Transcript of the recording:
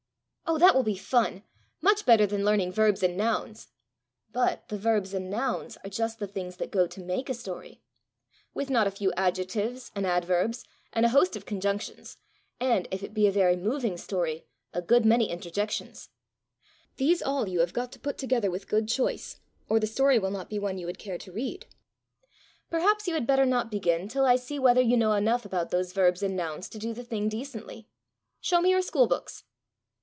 "Oh, that will be fun! much better than learning verbs and nouns!" "But the verbs and nouns are just the things that go to make a story with not a few adjectives and adverbs, and a host of conjunctions; and, if it be a very moving story, a good many interjections! These all you have got to put together with good choice, or the story will not be one you would care to read. Perhaps you had better not begin till I see whether you know enough about those verbs and nouns to do the thing decently. Show me your school books."